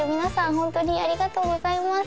ホントにありがとうございます